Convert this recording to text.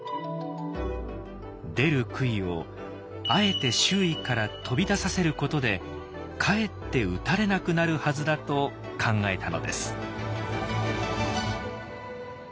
出る杭をあえて周囲から飛び出させることでかえって打たれなくなるはずだと考えたのです。